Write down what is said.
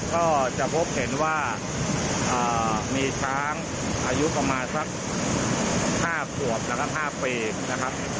ก็จะพบเห็นว่ามีช้างอายุประมาณสัก๕ขวบแล้วก็๕ปีนะครับ